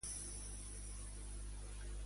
Contribuïen els rics a les ambaixades religioses?